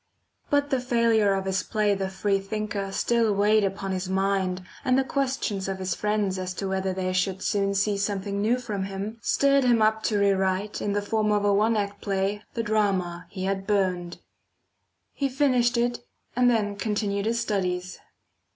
But the failure of his play the Free thinker still weighed upon his mind, and the questions of his friends as to whether they should soon see something new from him, stirred him up to re write, in the form of a one act play, the drama he had burnt. He finished it, and then continued his studies.